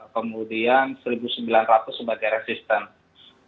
kemudian rp satu sembilan ratus sebagai resistance